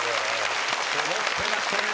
こもってましたね。